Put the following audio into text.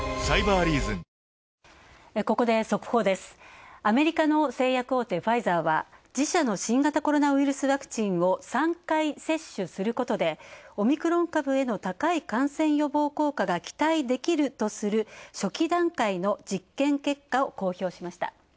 アメリカの製薬大手、ファイザーは自社の新型コロナウイルスワクチンを３回接種することでオミクロン株への高い感染予防効果が期待できるとする初期段階の実験結果を公表しました。